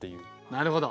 なるほど。